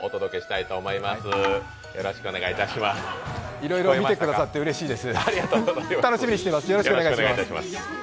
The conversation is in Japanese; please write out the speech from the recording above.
いろいろ見てくださってうれしいです。